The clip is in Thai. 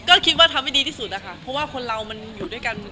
ก็คิดว่าทำให้ดีที่สุดนะคะเพราะว่าคนเรามันอยู่ด้วยกัน